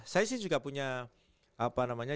saya sih juga punya